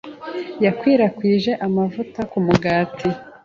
Yakwirakwije amavuta kumugati.